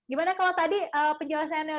gimana kalau tadi penjelasannya